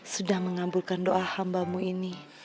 sudah mengabulkan doa hambamu ini